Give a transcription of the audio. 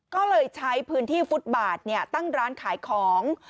ก็เลยใช้พื้นที่ฟุตบาทตั้งร้านขายของ